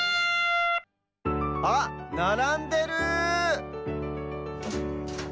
あっならんでる！